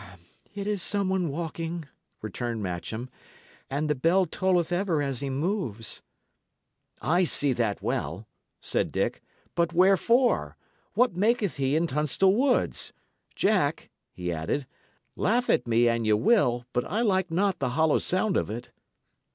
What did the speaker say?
"It is some one walking," returned Matcham, and "the bell tolleth ever as he moves." "I see that well," said Dick. "But wherefore? What maketh he in Tunstall Woods? Jack," he added, "laugh at me an ye will, but I like not the hollow sound of it."